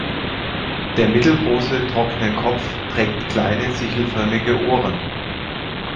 Der mittelgroße, trockene Kopf trägt kleine, sichelförmige Ohren.